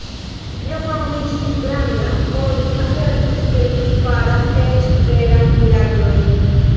Lia famo iĝis granda; oni asertis ke li faras eĉ verajn miraklojn.